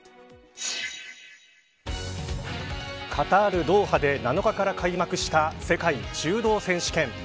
カタール、ドーハで７日から開幕した世界柔道選手権。